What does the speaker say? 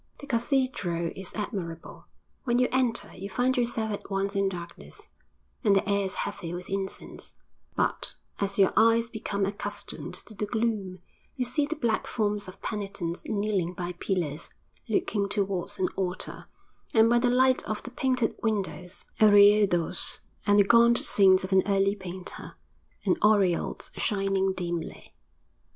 The cathedral is admirable; when you enter you find yourself at once in darkness, and the air is heavy with incense; but, as your eyes become accustomed to the gloom, you see the black forms of penitents kneeling by pillars, looking towards an altar, and by the light of the painted windows a reredos, with the gaunt saints of an early painter, and aureoles shining dimly.